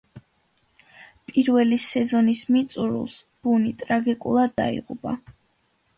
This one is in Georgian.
პირველი სეზონის მიწურულს ბუნი ტრაგიკულად დაიღუპა.